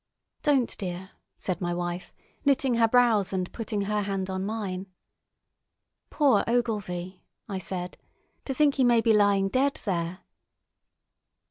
"Don't, dear!" said my wife, knitting her brows and putting her hand on mine. "Poor Ogilvy!" I said. "To think he may be lying dead there!"